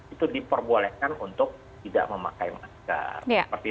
itu diperbolehkan untuk tidak memakai masker